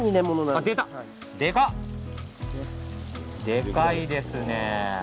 でかいですね。